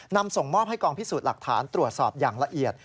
นำส่งมอบให้กองพิสูจน์หลักฐานตรวจสอบอย่างละเอียด